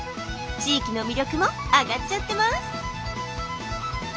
地域の魅力も上がっちゃってます！